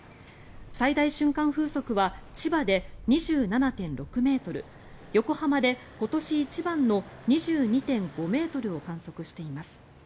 最大瞬間風速は千葉で２７．６ｍ横浜で今年一番の２２．５ｍを観測しています。